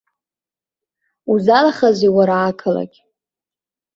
Узалахазеи уара ақалақь?